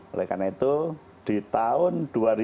oleh karena itu di tahun dua ribu dua puluh